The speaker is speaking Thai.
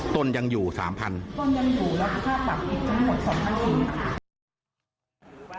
ต้นยังอยู่แล้วค่าปรับอีกทั้งหมด๒๐๐๐บาท